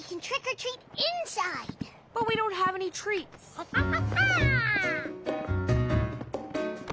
ホハハハ。